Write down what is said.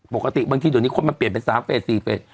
ปกติบางทีเดี๋ยวนี้คนมันเปลี่ยนเป็น๓เฟส๔เฟส